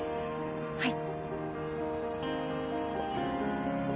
はい。